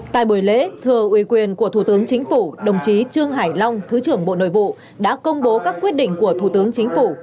tại buổi lễ thưa uy quyền của thủ tướng chính phủ đồng chí trương hải long thứ trưởng bộ nội vụ đã công bố các quyết định của thủ tướng chính phủ